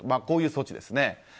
こういう措置ですね。